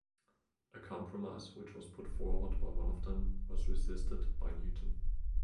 A compromise which was put forward by one of them was resisted by Newton.